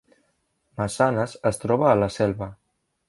Massanes es troba a la Selva